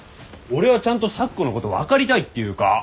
俺はちゃんと咲子のこと分かりたいっていうか。